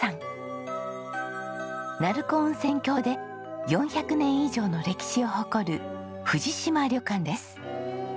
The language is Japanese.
鳴子温泉郷で４００年以上の歴史を誇る藤島旅館です。